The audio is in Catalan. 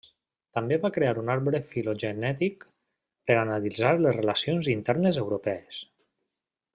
També va crear un arbre filogenètic per analitzar les relacions internes europees.